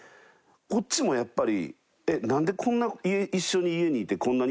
こっちもやっぱり。